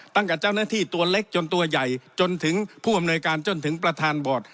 ตั้งแต่เจ้าหน้าที่ตัวเล็กจนตัวใหญ่จนถึงผู้อำนวยการจนถึงประธานบอร์ด